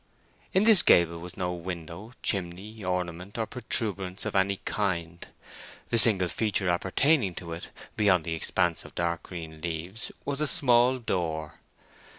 In this gable was no window, chimney, ornament, or protuberance of any kind. The single feature appertaining to it, beyond the expanse of dark green leaves, was a small door.